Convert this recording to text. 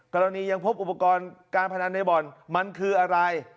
ยังพบอุปกรณ์การพนันในบ่อนมันคืออะไร